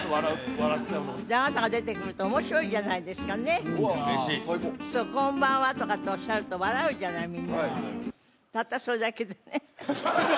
笑っちゃうのもあなたが出てくると面白いじゃないですかねっ嬉しい最高「こんばんは！」とかっておっしゃると笑うじゃないそう